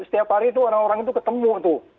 setiap hari itu orang orang itu ketemu tuh